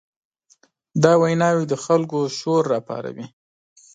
دا ویناوې د خلکو شور راپاروي.